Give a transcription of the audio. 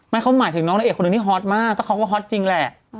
เขาหมายถึงน้องนางเอกคนหนึ่งที่ฮอตมากก็เขาก็ฮอตจริงแหละ